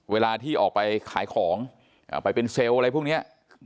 เวลาที่ออกไปขายของไปเป็นเซลล์อะไรพวกนี้